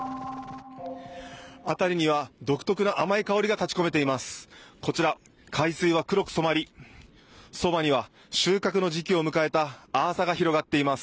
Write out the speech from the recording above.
辺りには独特な甘い香りが立ち込めています。